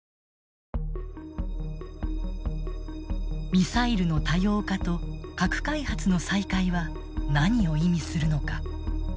ミサイルの多様化と核開発の再開は何を意味するのか？